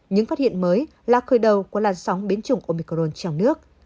những phát hiện mới là khởi đầu của làn sóng biến chủng omicron trong nước